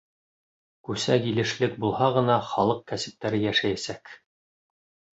Күсәгилешлек булһа ғына, халыҡ кәсептәре йәшәйәсәк.